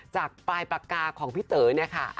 จากปลายปากกาของพี่เต๋อเนี่ยค่ะ